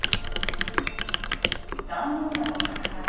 壇の浦の戦い